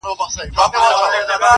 اخلاق د انساني ژوند بنسټ جوړوي.